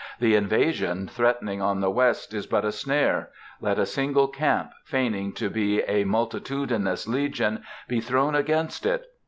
The invasion threatening on the west is but a snare; let a single camp, feigning to be a multitudinous legion, be thrown against it.